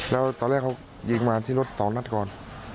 แล้วตอนแรกเขายิงมาที่รถสองนัดก่อน